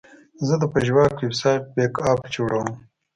زه د پژواک ویب سایټ بیک اپ جوړوم.